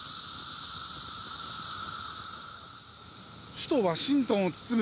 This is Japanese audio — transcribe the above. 首都ワシントンを包む